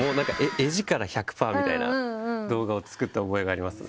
絵力１００％みたいな動画を作った覚えがありますね。